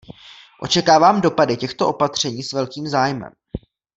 Očekávám dopady těchto opatření s velkým zájmem.